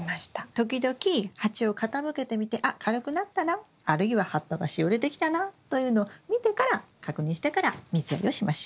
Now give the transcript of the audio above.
時々鉢を傾けてみてあっ軽くなったなあるいは葉っぱがしおれてきたなというのを見てから確認してから水やりをしましょう。